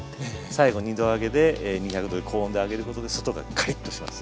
最後２度揚げで２００℃の高温で揚げることで外がカリッとします。